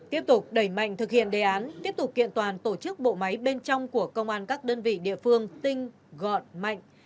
tiếp tục đẩy mạnh thực hiện đề án tiếp tục kiện toàn tổ chức bộ máy bên trong của công an các đơn vị địa phương tinh gọn mạnh